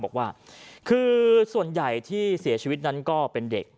บอกว่าคือส่วนใหญ่ที่เสียชีวิตนั้นก็เป็นเด็ก